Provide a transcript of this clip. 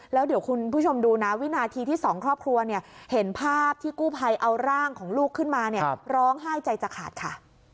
แล้วเดี๋ยวคุณผู้ชมดูนะวินาทีที่สองครอบครัวเนี่ยเห็นภาพที่กู้ภัยเอาร่างของลูกขึ้นมาเนี่ยร้องไห้ใจจะขาดค่ะ